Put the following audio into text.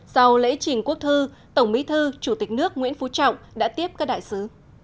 sau lễ trình quốc thư tổng bí thư chủ tịch nước nguyễn phú trọng đã tiếp các đại sứ